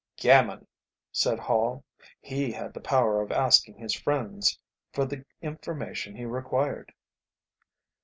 "Gammon!" said Hall; "he had the power of asking his friends for the information he required."